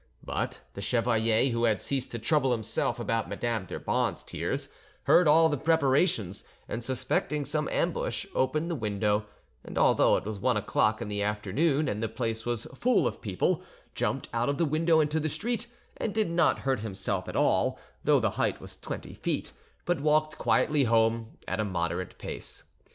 But the chevalier, who had ceased to trouble himself about Madame d'Urban's tears, heard all the preparations, and, suspecting some ambush, opened the window, and, although it was one o'clock in the afternoon and the place was full of people, jumped out of the window into the street, and did not hurt himself at all, though the height was twenty feet, but walked quietly home at a moderate pace.